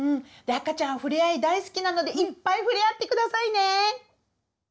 赤ちゃんふれあい大好きなのでいっぱいふれあってくださいね！